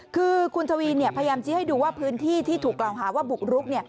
คือคุณทวีพยายามชี้ให้ดูว่าพื้นที่ที่ถูกกล่าวหาว่าบุกรุก